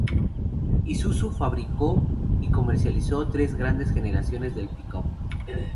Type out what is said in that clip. Isuzu fabricó y comercializó tres generaciones del pickup.